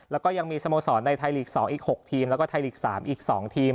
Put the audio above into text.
แล้วก็ยังมีสโมสรในไทยลีก๒อีก๖ทีมแล้วก็ไทยลีก๓อีก๒ทีม